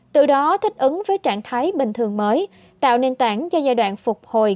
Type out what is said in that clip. từ đó thích ứng với trạng thái bình thường mới tạo nền tảng cho giai đoạn phục hồi